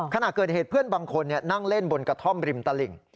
ขณะเกิดเหตุเพื่อนบางคนนั่งเล่นบนกระท่อมริมตลิ่ง